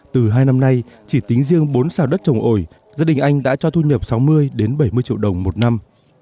từ hai năm nay chỉ tính riêng bốn xào đất trồng ổi gia đình anh đã cho thu nhập sáu mươi bảy mươi triệu đồng một năm